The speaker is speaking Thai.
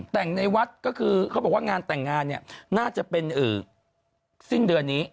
แต่งในวัดก็คือเขาบอกว่างานแต่งงานเนี่ยน่าจะเป็นสิ้นเดือนนี้